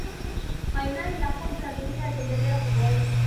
fainali za kombe la dunia ziliendelea kuboreshwa